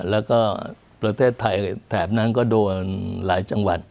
แล้วก็ประเทศไทยแถบนั้นก็โดนหลายจังหวัด